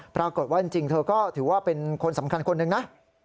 ปรากฏว่าจริงเธอก็ถือว่าเป็นคนสำคัญคนหนึ่งนะ